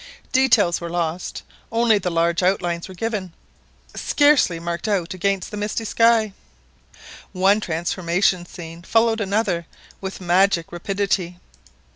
Details were lost, only the large outlines were given, scarcely marked out against the misty sky. One transformation scene followed another with magic rapidity.